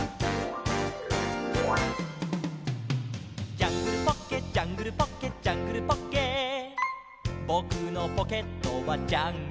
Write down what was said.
「ジャングルポッケジャングルポッケ」「ジャングルポッケ」「ぼくのポケットはジャングルだ」